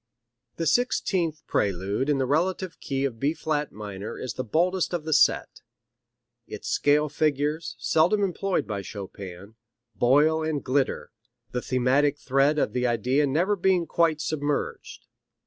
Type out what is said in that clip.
The sixteenth prelude in the relative key of B flat minor is the boldest of the set. Its scale figures, seldom employed by Chopin, boil and glitter, the thematic thread of the idea never being quite submerged.